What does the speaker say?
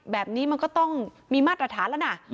แบบนี้มันก็ต้องมีมาตรฐานแล้วนะ